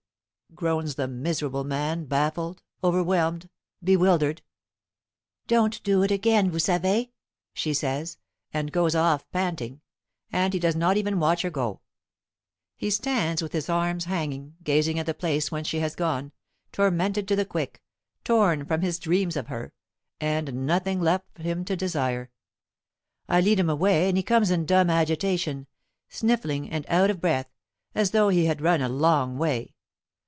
groans the miserable man, baffled, overwhelmed, bewildered. "Don't do it again, vous savez!" she says, and goes off panting, and he does not even watch her go. He stands with his arms hanging, gazing at the place whence she has gone, tormented to the quick, torn from his dreams of her, and nothing left him to desire. I lead him away and he comes in dumb agitation, sniffling and out of breath, as though he had run a long way.